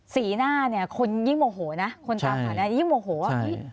สีหน้าเนี่ยคนตามขาวนี้ยิ่งโมโหนะ